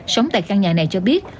sống tại căn nhà này cho biết